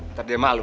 ntar dia malu